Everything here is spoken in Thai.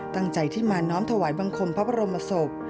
ตั้งใจที่มาน้อมถวายบังคมพระบรมศพ